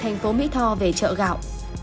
thành phố mỹ tho về chợ gạo